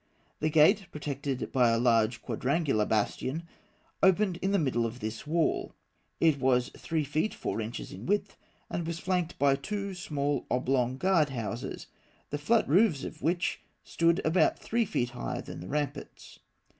The gate, protected by a large quadrangular bastion, opened in the middle of this wall. It was three feet four inches in width, and was flanked by two small oblong guard houses, the flat roofs of which stood about three feet higher than the ramparts.